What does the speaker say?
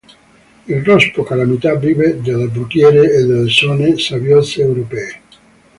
Il rospo calamita vive nelle brughiere e nelle zone sabbiose europee.